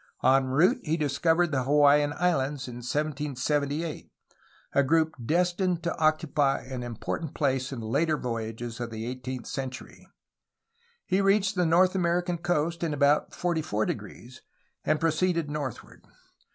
En route he discovered the Hawaiian Islands in 1778, a group destined to occupy an important place in later voyages of the eight eenth century. He reached the North American coast in about 44°, and proceeded northward.